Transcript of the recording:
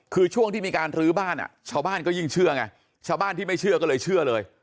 คือช่วงที่มีการลื้อบ้านชาวบ้านก็ยิ่งเชื่อไงชาวบ้านที่ไม่เชื่อก็เลยเชื่อเลย